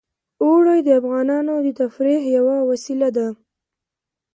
اوړي د افغانانو د تفریح یوه وسیله ده.